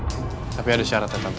eh tapi ada syaratnya tante